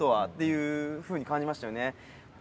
いうふうに感じましたよね。